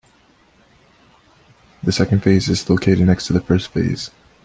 The second phase is located next to the first phase.